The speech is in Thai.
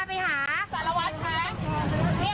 เนี่ยหนูหนูยืนอยู่กับเขาแล้วค่ะ